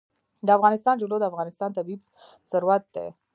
د افغانستان جلکو د افغانستان طبعي ثروت دی.